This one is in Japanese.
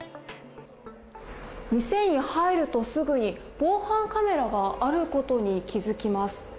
店に入るとすぐに防犯カメラがあることに気づきます。